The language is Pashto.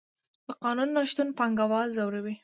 د قانون نشتون پانګوال ځوروي.